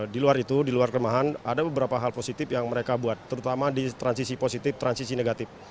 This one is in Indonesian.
di luar itu di luar kelemahan ada beberapa hal positif yang mereka buat terutama di transisi positif transisi negatif